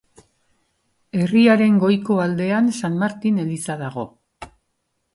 Herriaren goiko aldean San Martin eliza dago.